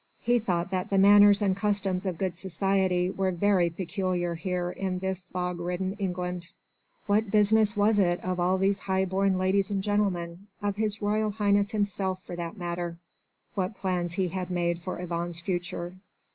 He thought that the manners and customs of good society were very peculiar here in this fog ridden England. What business was it of all these high born ladies and gentlemen of His Royal Highness himself for that matter what plans he had made for Yvonne's future?